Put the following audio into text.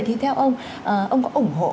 theo ông ông có ủng hộ